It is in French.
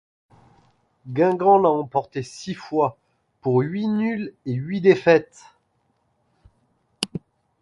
Guingamp l'a emporté six fois, pour huit nuls et huit défaites.